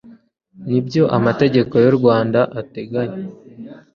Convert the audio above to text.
n ibyo amategeko y u rwanda ateganya